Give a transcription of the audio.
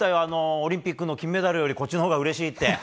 オリンピックの金メダルよりこっちのほうがうれしいって。